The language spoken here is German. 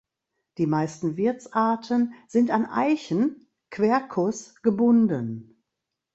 Die meisten Wirtsarten sind an Eichen ("Quercus") gebunden.